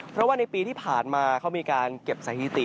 เพราะว่าในปีที่ผ่านมาเขามีการเก็บสถิติ